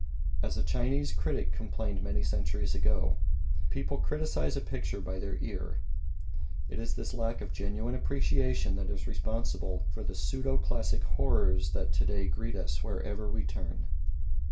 As a Chinese critic complained many centuries ago, "People criticise a picture by their ear." It is this lack of genuine appreciation that is responsible for the pseudo classic horrors that to day greet us wherever we turn.